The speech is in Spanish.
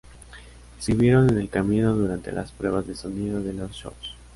Escribieron en el camino durante las pruebas de sonido de los shows.